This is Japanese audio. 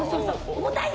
重たいよ